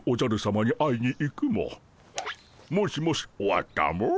もしもし終わったモ。